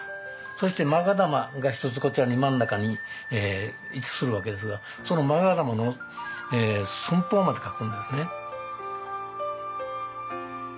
そしてまが玉が１つこちらに真ん中に位置するわけですがそのまが玉の寸法まで書くんですね。